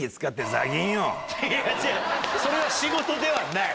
違うそれは仕事ではない。